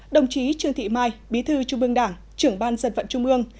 đồng chí trương thị mai bí thư trung mương đảng trưởng ban dân vận trung mương